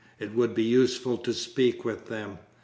"It would be useful to speak with them.